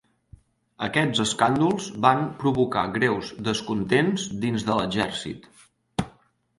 Aquests escàndols van provocar greus descontents dins de l'exèrcit.